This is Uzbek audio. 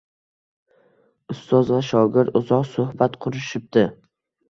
Ustoz va shogird uzoq suhbat qurishibdi